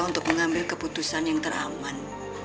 untuk mengambil keputusan yang teraman